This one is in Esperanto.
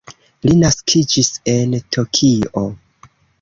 Li naskiĝis en Tokio.